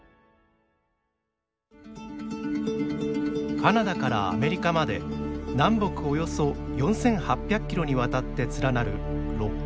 カナダからアメリカまで南北およそ４，８００キロにわたって連なるロッキー山脈。